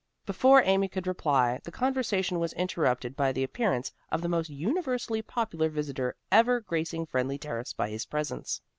Before Amy could reply, the conversation was interrupted by the appearance of the most universally popular visitor ever gracing Friendly Terrace by his presence.